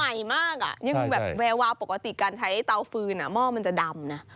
ใหญ่มากอ่ะยังแบบแวววาวปกติการใช้เตาฟืนหม้อมันจะดำนะ